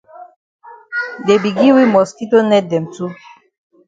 Dey be gi we mosquito net dem too.